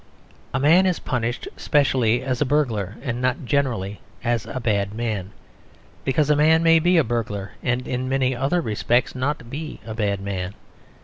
A man is punished specially as a burglar, and not generally as a bad man, because a man may be a burglar and in many other respects not be a bad man.